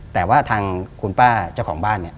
แต่ว่าทางคุณป้าเจ้าของบ้านเนี่ย